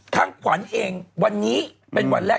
ขวัญเองวันนี้เป็นวันแรก